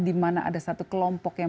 di mana ada satu kelompok yang